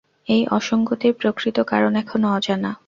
এই অসংগতির প্রকৃত কারণ এখনো অজানা।